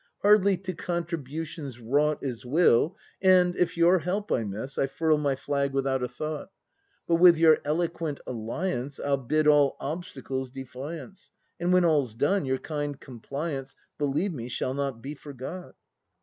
Hardly to contributions wrought Is Will, and if your help I miss, I furl my flag without a thought: But with your eloquent alliance I'll bid all obstacles defiance, And when all's done, your kind compliance. Believe me, shall not be forgot.